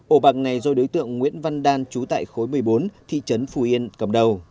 ổ bạc này do đối tượng nguyễn văn đan trú tại khối một mươi bốn thị trấn phù yên cầm đầu